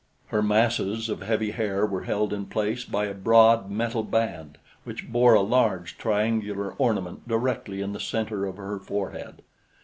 Her masses of heavy hair were held in place by a broad metal band which bore a large triangular ornament directly in the center of her forehead.